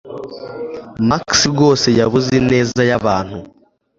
Max rwose yabuze ineza yabantu